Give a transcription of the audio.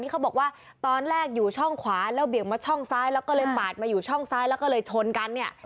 เขาบอกว่าตอนแรกอยู่ช่องขวาแล้วเบี่ยงมาช่องซ้ายแล้วก็เลยปาดมาอยู่ช่องซ้ายแล้วก็เลยชนกันเนี่ย